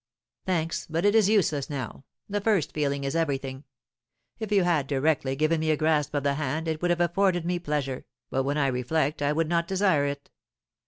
"Thanks; but it is useless now. The first feeling is everything. If you had directly given me a grasp of the hand, it would have afforded me pleasure, but, when I reflect, I would not desire it.